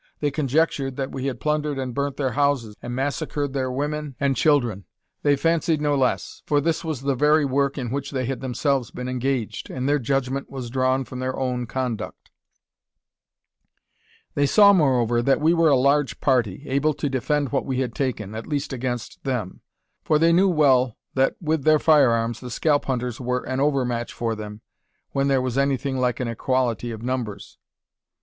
They conjectured that we had plundered and burnt their houses, and massacred their women and children. They fancied no less; for this was the very work in which they had themselves been engaged, and their judgment was drawn from their own conduct. They saw, moreover, that we were a large party, able to defend what we had taken, at least against them; for they knew well that with their firearms the scalp hunters were an over match for them, when there was anything like an equality of numbers.